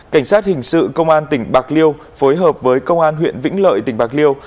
cảnh sát hình sự công an tỉnh bạc liêu phối hợp với công an huyện vĩnh lợi tỉnh bạc liêu